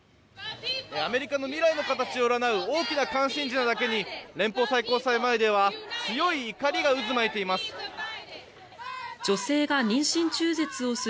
アメリカの未来の形を占う大きな関心事だけに連邦最高裁前では強い怒りが渦巻いています。